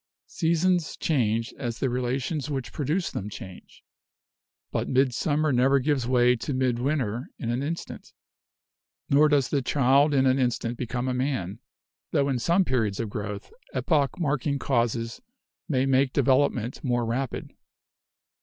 Seasons change as the relations which produce them change. But midsummer never gives way to midwinter in an instant. Nor does the child in an instant become a man, tho in some periods of growth epoch marking causes may make development more rapid.